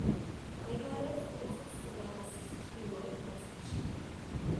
მდებარეობს კუნძულ სულავესის ჩრდილოეთ ნაწილში.